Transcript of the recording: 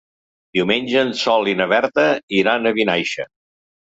Diumenge en Sol i na Berta iran a Vinaixa.